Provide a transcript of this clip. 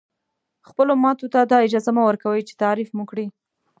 خپلو ماتو ته دا اجازه مه ورکوئ چې تعریف مو کړي.